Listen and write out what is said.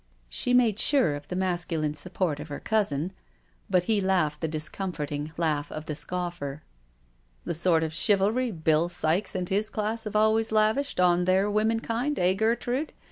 She made sure of the masculine support of her cousin, but he laughed the discomforting laugh of the scoffer: " The sort of chivalry Bill Sikes and his class have always lavished on their women kind, eh, Gertrude?